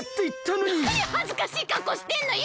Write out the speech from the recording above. なにはずかしいかっこうしてんのよ！